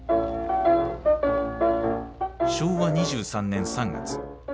昭和２３年３月。